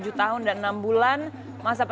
jatian epa jayante